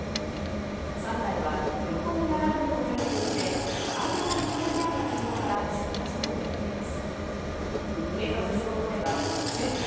３台は横に並んで止められていて真ん中に止めてあった車から出火したとみられています。